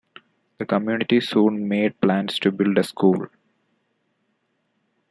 The community soon made plans to build a school.